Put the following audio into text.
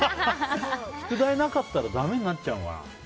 宿題なかったらだめになっちゃうのかな？